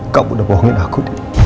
kamu sudah bohongin aku